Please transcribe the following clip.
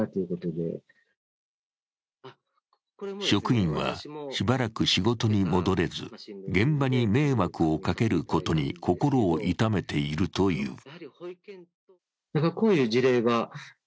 職員は、しばらく仕事に戻れず現場に迷惑をかけることに心を痛めているという。